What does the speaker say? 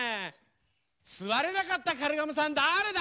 すわれなかったカルガモさんだれだ？